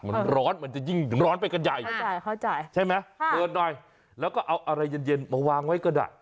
มันร้อนมันจะยิ่งร้อนไปกันใหญ่เข้าใจใช่ไหมเปิดหน่อยแล้วก็เอาอะไรเย็นมาวางไว้ก็ได้